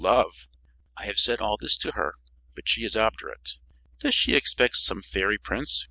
Love!" "I have said all this to her, but she is obdurate." "Does she expect some fairy prince?